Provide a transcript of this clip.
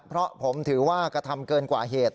เพราะผมถือว่ากระทำเกินกว่าเหตุ